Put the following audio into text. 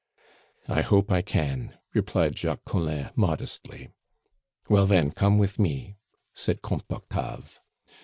"I hope I can," replied Jacques Collin modestly. "Well, then, come with me," said Comte Octave.